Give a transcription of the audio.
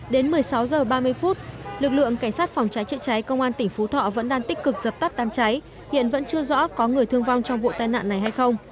đến một mươi sáu h ba mươi phút lực lượng cảnh sát phòng cháy chữa cháy công an tỉnh phú thọ vẫn đang tích cực dập tắt đám cháy hiện vẫn chưa rõ có người thương vong trong vụ tai nạn này hay không